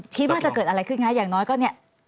คิดว่าจะเกิดอะไรขึ้นคะอย่างน้อยก็เนี่ย